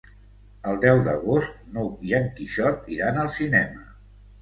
El deu d'agost n'Hug i en Quixot iran al cinema.